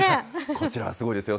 こちらはすごいですよ。